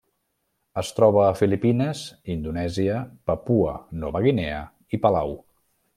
Es troba a Filipines, Indonèsia, Papua Nova Guinea i Palau.